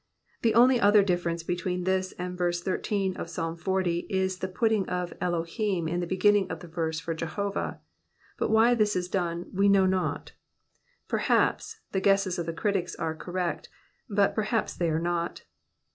The only other difference between this and verse 13 of Psalm xl., is the putting of Elohim in the beginning of the verse for « Jehovah, but why this is done, we know not ; perhaps, the guesses of the critics are correct, but perhaps they are not.